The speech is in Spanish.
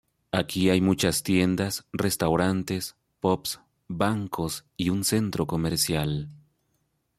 Aquí hay muchas tiendas, restaurantes, pubs, bancos y un centro comercial.